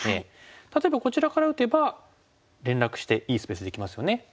例えばこちらから打てば連絡していいスペースできますよね。